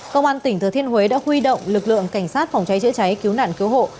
công an tỉnh thừa thiên huế đã huy động lực lượng cảnh sát phòng cháy chữa cháy cứu nạn cứu hộ